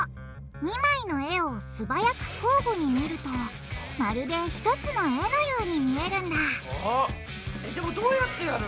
２枚の絵を素早く交互に見るとまるで一つの絵のように見えるんだでもどうやってやるの？